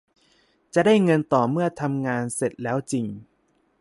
จะได้เงินต่อเมื่อทำงานเสร็จแล้วจริง